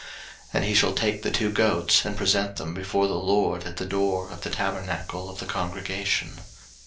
03:016:007 And he shall take the two goats, and present them before the LORD at the door of the tabernacle of the congregation.